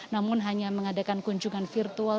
namun hanya mengadakan kunjungan virtual